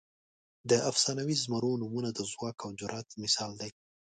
د افسانوي زمرو نومونه د ځواک او جرئت مثال دي.